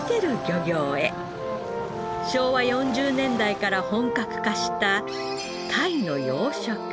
昭和４０年代から本格化した鯛の養殖。